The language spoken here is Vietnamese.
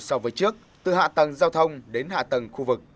so với trước từ hạ tầng giao thông đến hạ tầng khu vực